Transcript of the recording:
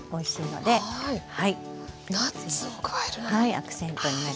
アクセントになります。